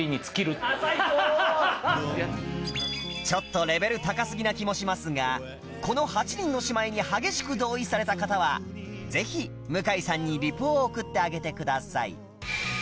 ちょっとレベル高すぎな気もしますがこの８人の姉妹に激しく同意された方はぜひ向さんにリプを送ってあげてください